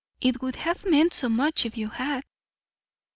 It would have meant so much if you had."